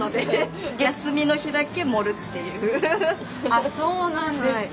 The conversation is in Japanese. あっそうなんですか。